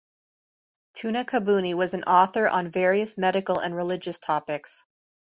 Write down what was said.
Tunakabuni was an author on various medical and religious topics.